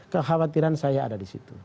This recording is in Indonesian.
kekhawatiran saya ada disitu